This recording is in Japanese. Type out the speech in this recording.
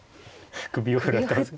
首を振られてますね。